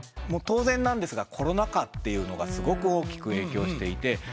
当然なんですがコロナ禍っていうのがすごく大きく影響していて。